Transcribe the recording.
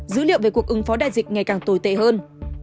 dữ liệu về cuộc ứng phó đại dịch ngày càng tồi tệ hơn